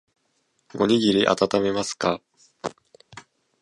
おにぎりあたためますか